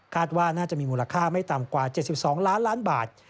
ว่าน่าจะมีมูลค่าไม่ต่ำกว่า๗๒ล้านล้านบาท